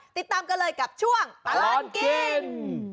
ติดตามกันเลยกับช่วงตลอดกิน